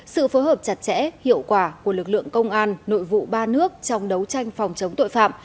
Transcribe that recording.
sự phối hợp chặt chẽ hiệu quả của lực lượng công an nội vụ ba nước trong đấu tranh phòng chống tội phạm